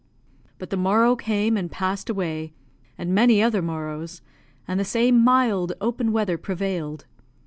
But the morrow came and passed away, and many other morrows, and the same mild, open weather prevailed.